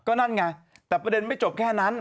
ก็นั่นไงแต่ประเด็นไม่จบแค่นั้น